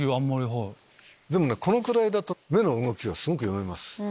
でもこのくらいだと目の動きすごく読めます。